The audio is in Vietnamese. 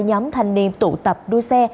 nhóm thành niên tụ tập đua xe